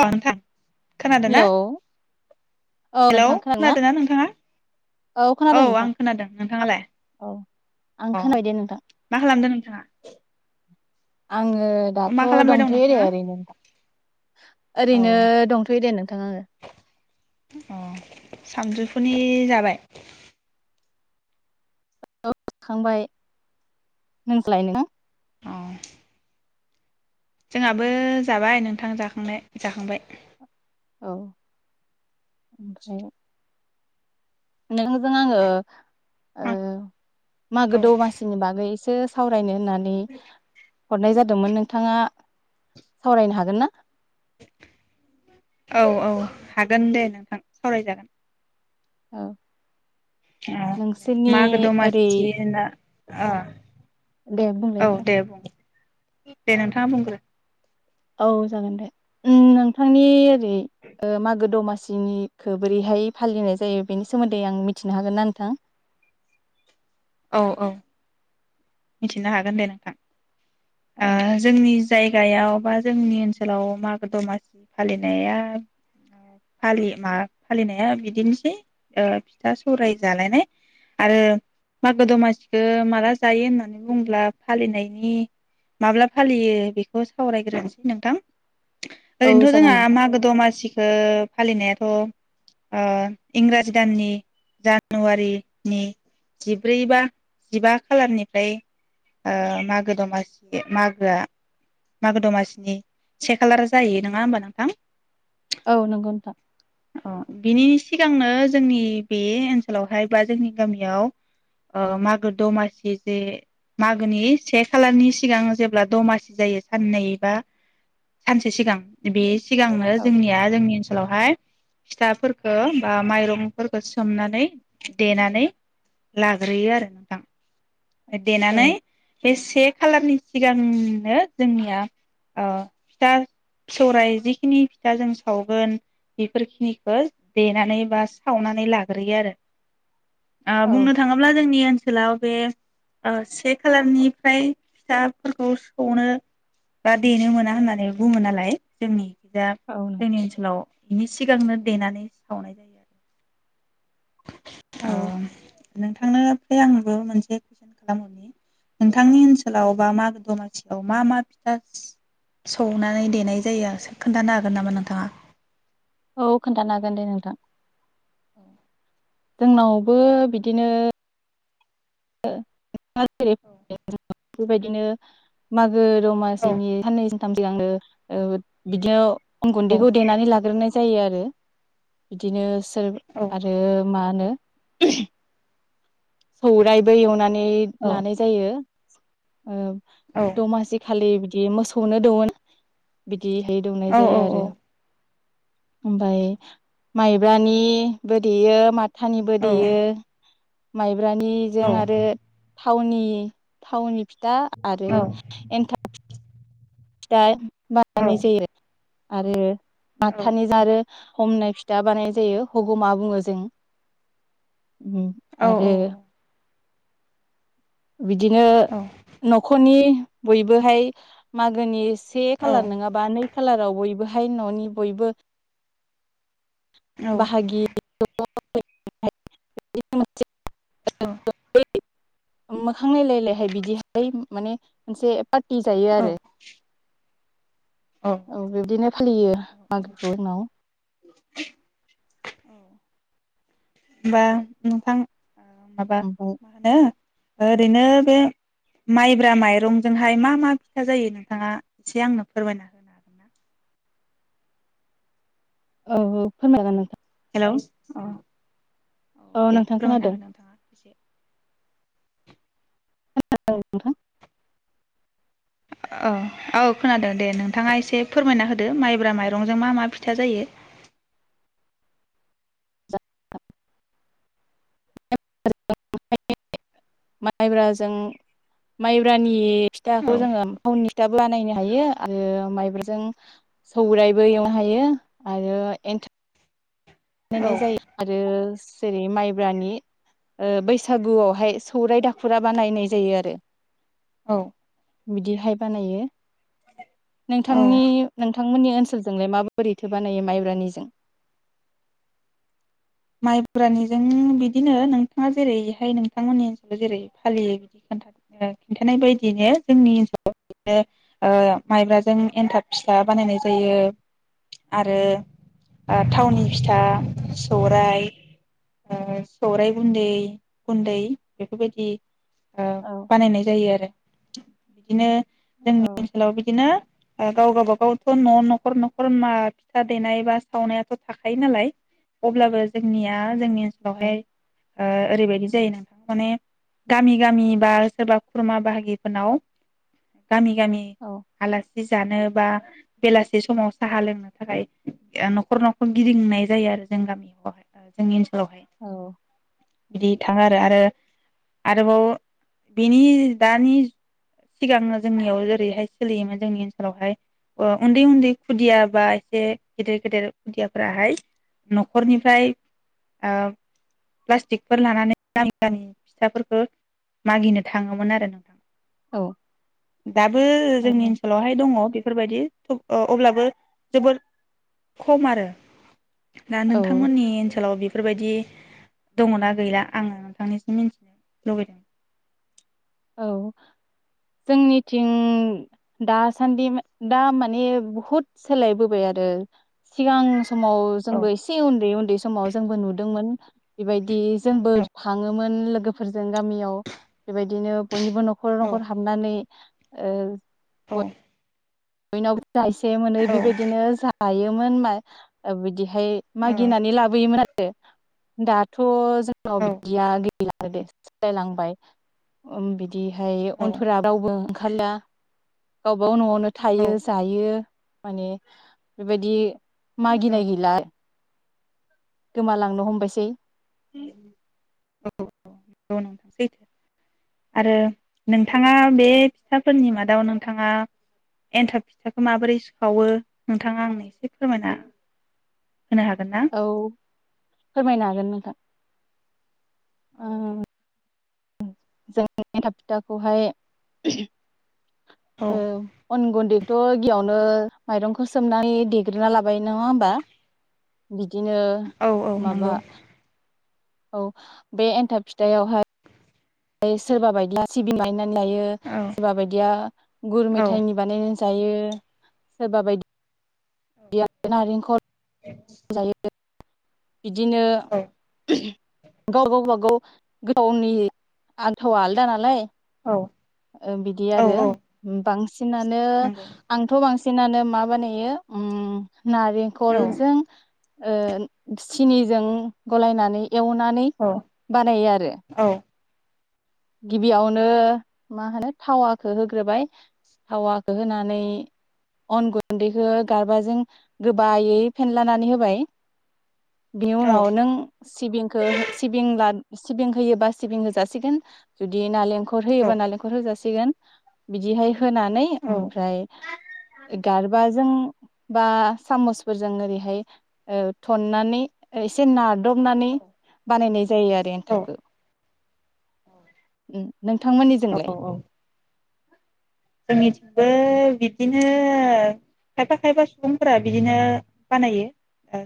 [unintelligible] खोनादों ना हेलौ औ हेलौ नोंथां खोनादोंना खोनादों ना नोंथाङा औ खोनादों नोंथां आं खोनादों नोंथाङालाय औ आं अ खोनाबाय दे नोंथां मा खालामदों नोंथाङा? आङो मा दाथ' खालामबाय दं दंथ'यो दे नोंथाङा ओरैनो। औ ओरैनो दंथ'यो दे नोंथां आङो। अ सानजौफुनि जाबाय? औ जखांबाय नोंज्लाय नों? औ। जोंहाबो जाबाय नोंथां जाखांनाय जाखांबाय। औ। ओमफाय नोंहोजों आङो ओ मागो औ दमासिनि बागै एसे सो सावरायनो होननानै हरनाय जादोंमोन नोंथाङा सावरायनो हागोन ना? औ औ हागोन दे नोंथां सावरायजागोन। औ ओ नोंसोरनि मागो ओरै दमासि होनना ओ दे बुंलाय नोंथां। दे नोंथाङा बुंग्रो। औ जागोन दे उम नोंथांनि जेरै मागो दमासि सिनिखौ बोरैहाय फालिनाय जायो बेनि सोमोन्दै आं मिथिनो हागोन ना नोंथां । औ औ। मिथिनो हागोन दे नोंथां। औ ओ जोंनि जायगायाव बा जोंनि ओनसोलाव मागो दमासि फालिनायालि मा फालिनाया बिदिनोसै ओ फिथा सौराय जालायनाय आरो मागो दमासिखौ माला जायो होननानै बुंब्ला फालिनायनि माब्ला फालियो बेखौ सावरायग्रोनोसै नोंथां औ ओरैनोथ जागोन जोंहा नोंथां मागो दमासिखो फालिनाया थ ओ इंराजि दाननि जानुवारिनि जिब्रै बा जिबा खालारनिफाय ओ मागो दमासि मागोआ मागो दमासिनि से खालार जायो नोंङा होमबा नोंथां। औ नोंगौ नोंथां। अ बिनि सिगांनो जोंनि बे ओनसोलाव हाय बा जोंनि गामियाव ओ मागो दमासि जे मागोनि से खालारनि सिगां जेब्ला दमासि जायो सान्नै एबा सानसे सिगां बे सिगांनो औ जोंनिया जोंनि ओनसोलावहाय फिथाफोरखौ बा माइरंफोरखौ सोमनानै देनानै लाग्रोयो आरो नोंथां। औ देनानै बे से खालारनि सिगांनो जोंनिया ओ फिथा फिसौराइ जिखिनि फिथा जों सावगोन बेफोरखिनिखो देनानै बा सावनानै लाग्रोयो आरो। औ बुंनो थाङोब्ला जोंनि ओन सोलाव बे ओ से खालारनिफ्राय फिथाफोरखौ सौनो बा देनो मोना होननानै बुङो नालाय जोंनि दा जोंनि ओनसोलाव बिनि सिगांनो देनानै सावनाय जायो आरो। औ नोंथांनो फ्राय आंबो मोनसे कुइसन खालामहरनि नोंथांनि ओनसोलाव बा मागो दमासियाव मा मा फिथा सौनानै देनाय जायो सो खोन्थानो हागोन नामा नोंथाङा? औ खोन्थानो हागोन दे नोंथां। औ जोंनावबो बिदिनो ओ [unintelligible] बेबायदिनो मागो औ दमासिनि सननै जों थामजोंनो ओ बिदिनो अन औ गुन्दैखौ देनानै लाग्रोनाय जायो आरो बिदिनो सि औ आरो मा होनो? सौरायबो एवनानै औ लानाय जायो । औ । दमासि खााललि - बिदि मोसौनो दंवोना [unintelligible] देयैहाय दौनाय औ जायो आरो ओमफ्राय माइब्रानि बो दैयो मा थानिबो औ देयो । माइ ब्रानिजों आरो थावनि थावनि फि दा आरो एन्थाब दा [unintelligible] जायो औ । आरो औ माथानि जारो हमनाय फिथा बानाय जायो हगमा बुङो जों । उम आरो बिदिनो नखरनि बयबोहाय मागोनि से खालार नङाबा नै खालाराव बयबोहाय ननि बयबो बाहागि [inaudible] [unintelligible] औ । मोखांलायलायलायहाय बिदिहाय माने मोनसे फथि जायो आरो । औ बिब्दिनो फालियो मागोखौ उनाव । बा नोंथां ओ माबा ओमफ्राय मा होनो? ओरैनो बे माइब्रा माइरंजोंहाय मा मा फिथा जायो नोंथाङा एसे आंनो फोरमायना हो औ औ फोरमायगोन नोंथां । हेलौ अ औ औ दे नोंथां खोनादों फोरमायना हो नोंथाङा एसे । खोनादों नोंथां औ औ खोनादों दे नोंथाङा एसे फोरमायना होदो माइब्रा माइरंजों मा मा फिथा जायो [unintelligible] माइब्राजों माइब्रानि सिथाखौ औ जोङो थावनि फिथाबो बानायनो हायो आरो माइब्राजों सौरायाइबो एवनो हायो आरो एन्था बानायनाय जायो आरो सि जेरै माइब्रानि बैसागुआवहाय सौराइ दाखुरा बानायनाय जायोआरो । औ बिदिहाय बानायो औ नोंथांनि नोंथांमोननि ओनसोलजोंलाय माबोरैथो बानायो माइब्रानिजों? माइब्रानिजों बिदिनो नोंथाङा जेरैहाय नोंथांमोननि ओनसोलाव जेरै फालियो बिदि खि-खिन्थानाय बायदिनो जोंनि ओनसोलाव बिनो माइब्राजों एन्थाब फिथा बानायनाय जायो आरो ओ थावनि फिथा स सौराय सौराय ओ गुन्दै गुन्दै बेफोरबायदि ओ औ बानायनाय जायोआरो । बिदिनो औ जोंनि ओनसोलाव बिदिनो ओ गाव-गावबा गावथ न' न'खर नखर मा फिथा देनाय बा सावनायाथ थाखायो नालाय अब्लाबो जोंनिया जोंनि औ ओनसोलावहाय ओ ओरैबायदि जायो नोंथां माने गामि गामि बा सोरबा खुरमा बाहागिफोरनाव गामि गामि आला सि जानो बा बेलासे समाव साहा लोंनो थाखाय ओ न' खर न' खर गिदिंनाय जायोआरो जों गामिआव जोंनि ओनस औ बिदि थाङोआरो आरो-आरोबाव बिनि दानि सिगां जोंनियाव जेरैहाय सोलियोमोन जोंनि ओनसोलावहाय ओ उन्दै उन्दै खुदिया बा एसे गेदेर गेदेर खुदियाफोराहाय न'खरनिफ्राय ओ प्लास्टिकफोर लानानै गामि गामि फिथाफोरखो मागिनो थाङोमोनआरो औ दाबो औ जोंनि ओनसोलावहाय दङ बेफ बेफोरबायदि खोब ओ अब्लाबो जबोद खमआरो दा औ नोंथांमोननि ओनसोलाव बेफ बेफोरबायदि दङना गैला आं नोंथांनिसिम मिन्थिनो लुबै औ जोंनिथिं दासान्दि दा माने बुहुद सोलायबोबाय आरो सिगां समाव औ जोंबो एसे उन्दै उन्दै समाव जोंबो नुदोंमोन बेबायदि जोंबो औ थाङोमोन लोगोफोरजों गामियाव बेबायदिनो बयनिबो न'खर न'खर औ हाबनानै ओ गथ बयनावबो जा एसे मोनो औ बेबायदिनो जा थायोमोन मा ओ बिदि [inaudible] औ मागिनानै लाबोयोमोन आरो [inaudible] दाथ' औ जोंनाव औ बिदिया [inaudible] [inaudible] लायलांबाय अम [inaudible] बिदिहाय औ उनफोरा रावबो [inaudible] लिया गावबागाव नआवनो औ थायो जायो माने [unintelligible] बेबायदि औ मागिनाय गैला गोमालांनो औ हमबायसै [inaudible] आरो नोंथाङा बे फिथाफोरनि मादाव नोंथाङा एन्थाब फिथाखौ माबोरै सावो नोंथाङा आंनो एसे फोरमायना? होनो हागोन ना? औ फोरमायनो हागोन नोंथां। औ ओ दे जों [unintelligible] एन्थाब फिथाखौहाय [unintelligible] औ अन गुन्दैथ' गियावनो नो मायरंखौ सोमनानै देग्रोना लाबाय नङा होमबा। बिदिनो औ औ माबा नंगौ औ बे एन्थाब फिथायाव हाय सोरबा बायदिया सिबिंनायनो बानायो औ सोरबा बादिया गुरै औ मेथाइनि बानायो जायो सोरबा बायदि बादिया नारेंखल जायो। बिदिनो औ ओ गाव गावबागाव गावनि आथावा आलदा नालाय औ बिदि औ आरो औ बांसिनानो नंगौ आंथ' बांसिन सिनानो मा बानायो उ औ नारेंखलजों ओ सिनिजों गलायनानै एवनानै औ बानायो आरो औ गिबियावनो मा होनो थावाखौ होग्रोबाय थावाखौ होनानै अन गुन्दैखौ गारबाजों गोबायै फेनलानानै होबाय बेनि औ उनाव नों सिबिंखौ हो सिबिं ला सिबिं होयोबा सिबिं होजासिगोन जुदि नालें औ खौहोयोबा नालेंखर होजासिगोन [unintelligible] बिदिहाय होनानै ओमफ्राय गारबाजों बा सामसा फोरजों नोरैहाय ओ थननानै एसे ना दबनानै बानायनाय जायो आरो औ एनथाबखौ। नोंथांमोननि जोंलाय? औ औ जोंनिथिंबो बिदिनो खायफा खायफा सुबुंफोरा बिदिनो बानायो।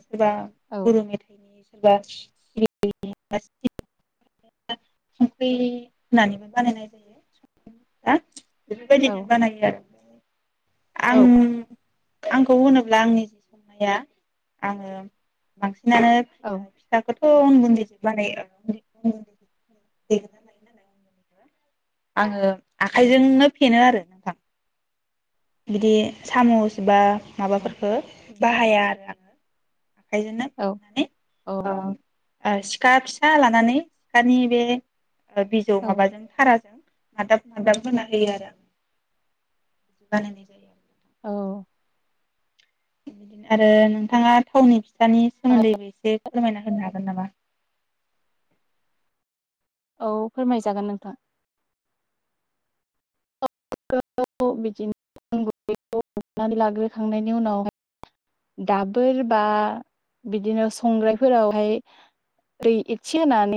सोरबा औ गुरु मेथाइनि सोरबा [unintelligible] संख्रि होननानैबो बानायनाय जायो [unintelligible] बेबायदिनो औ बानायो आरो [inaudible] आं औ आंखौ होनोब्ला आंनि जि संनाया आङो बांसिन बिनानै औ फिथाफोरखौ [unintelligible] आङो आखाइजोंनो फेनो आरो नोंथां। बिदि सामुस बा औ माबाफोरखो बाहाया आरो आङो आखाइजोंनो औ फेननानै ओ ओ सिखा फिसा लानानै सिखानि बे ओ बिजौ औ माबाजों थाराजों नादाब नादाब होना होयो आरो बानायनाय जायो। औ बिदिनो आरो नोंथाङा थावनि फिसानि सोमोन्दैबो एसे फोरमायना होनो हागोन नामा? औ फोरमायजागोन नोंथां। [unintelligible] लाग्रोखांनायनि उनाव दाबोर बा बिदिनो संग्रायफोरावहाय दै एसे होनानै